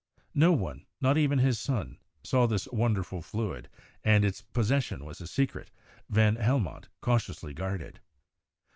No one, not even his son, saw this wonderful fluid, and its possession was a secret van Helmont cau tiously guarded.